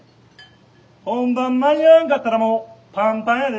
本番間に合わんかったらもうパンパンやで」。